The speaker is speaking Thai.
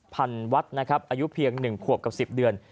พันวัดนะครับอายุเพียง๑ขวบกับ๑๐เดือน